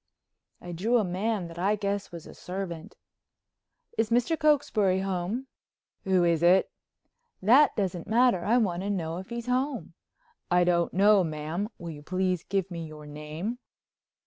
I drew a man that I guess was a servant: "Is Mr. Cokesbury home?" "Who is it?" "That doesn't matter. I want to know if he's home." "I don't know, ma'am. Will you please give me your name?"